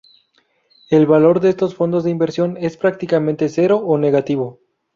El valor de estos fondos de inversión es prácticamente cero o negativo.